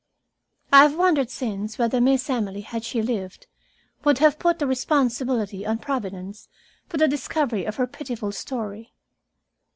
I have wondered since whether Miss Emily, had she lived, would have put the responsibility on Providence for the discovery of her pitiful story.